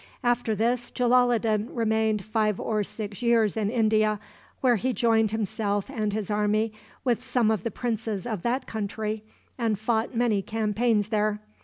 After this, Jalaloddin remained five or six years in India, where he joined himself and his army with some of the princes of that country, and fought many campaigns there.